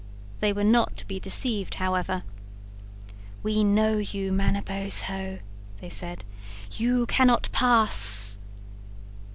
They were not to be deceived, however. "We know you, Manabozho," they said, "you cannot pass."